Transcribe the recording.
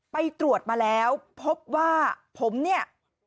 ไปตรวจมาแล้วพบว่าผมเนี่ย